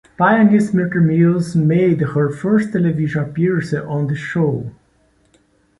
Pianist Mrs Mills made her first television appearance on the show.